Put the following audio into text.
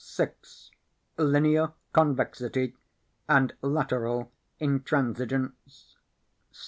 6. Linear Convexity and Lateral Intransigence.